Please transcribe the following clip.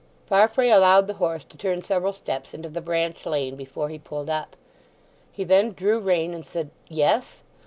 Farfrae allowed the horse to turn several steps into the branch lane before he pulled up. He then drew rein, and said "Yes?"